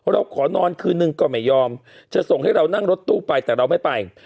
เราขอนอนคืนนึงก็ไม่ยอมจะส่งให้เรานั่งรถตู้ไปแต่เราไม่ไป